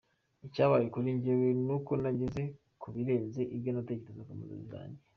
Icyabaye kuri njyewe ni uko nageze ku birenze ibyo natekerezaga mu nzozi zanjye.